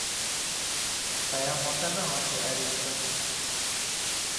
Epeyama te nehatiye erêkirin.